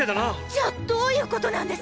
じゃあどういうことなんです